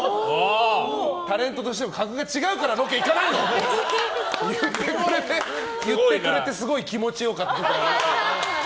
タレントとしての格が違うからロケ行かないの！って言ってくれてすごい気持ち良かった。